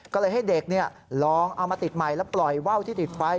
ก็เลยให้เด็กลองเอามาติดใหม่แล้วปล่อยว่าวที่ติดไฟ